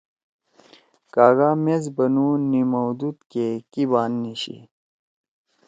کاگا میز بنو نیمودود کے کی بات نیچھی